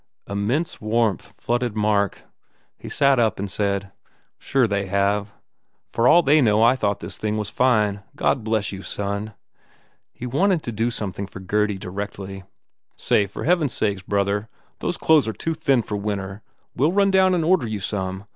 Immense warmth flooded Mark. He sat up and said, "Sure they have. For all they know I thought this thing was fine ... God bless you, son !" He wanted to do something for Gurdy directly. "Say, for heaven s sake, brother, those clothes are too thin for winter. We ll run down and order you some.